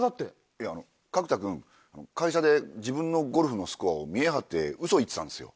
いや角田君会社で自分のゴルフのスコアを見え張ってウソ言ってたんですよ。